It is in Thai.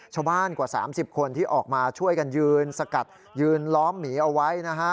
ชาวบ้านกว่า๓๐คนที่ออกมาช่วยกันยืนสกัดยืนล้อมหมีเอาไว้